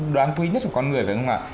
đoán quý nhất của con người vậy không ạ